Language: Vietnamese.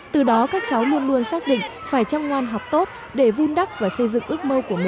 từ đó các cháu luôn luôn xác định phải chăm ngoan học tốt để vun đắp và xây dựng ước mơ của mình trong tương lai